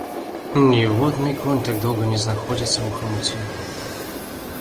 Ніводны конь так доўга не знаходзіцца ў хамуце.